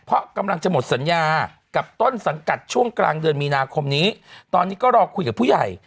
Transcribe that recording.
เพราะกำลังจะหมดสัญญากับต้นสังกัดช่วงกลางเดือนมีนาคมนี้ตอนนี้ก็รอคุยกับผู้ใหญ่